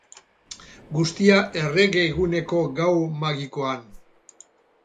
Guztia errege eguneko gau magikoan.